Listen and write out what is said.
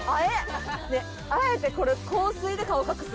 あえてこれ香水で顔隠す。